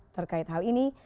terkait hal ini